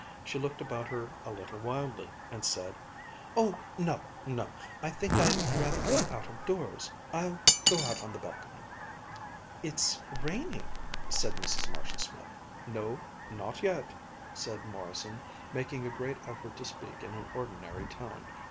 She looked about her a little wildly and said: "Oh no, no! I think I'd rather be out of doors. I'll go out on the balcony." "It's raining," said Mrs. Marshall Smith. "No, not yet," said Morrison, making a great effort to speak in an ordinary tone.